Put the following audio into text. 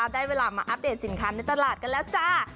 ได้เวลามาอัปเดตสินค้าในตลาดกันแล้วจ้า